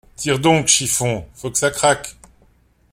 Tire donc, chiffon! faut que ça craque !